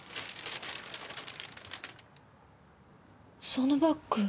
そのバッグ。